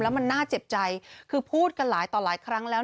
มันน่าเจ็บใจคือพูดกันหลายต่อหลายครั้งแล้ว